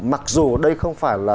mặc dù đây không phải là